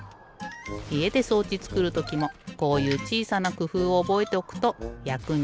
いえで装置つくるときもこういうちいさなくふうをおぼえておくとやくにたつよ。